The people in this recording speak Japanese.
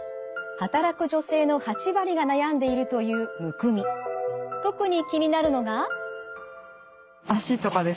働く女性の８割が悩んでいるという特に気になるのが。